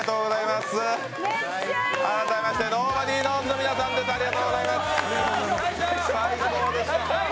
改めましてｎｏｂｏｄｙｋｎｏｗｓ＋の皆さんです、ありがとうございます最高でした。